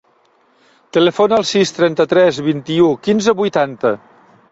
Telefona al sis, trenta-tres, vint-i-u, quinze, vuitanta.